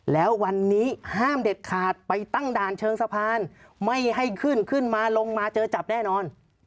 แล้ววันนี้ห้ามเด็ดขาดไปตั้งด่านเชิงสะพานไม่ให้ขึ้นขึ้นมาลงมาเจอจับแน่นอน